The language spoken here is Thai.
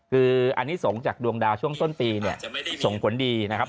คืออันนี้สงฆ์จากดวงดาวช่วงต้นปีเนี่ยส่งผลดีนะครับ